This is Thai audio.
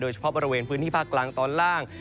เฉพาะบริเวณพื้นที่ภาคกลางตอนล่าง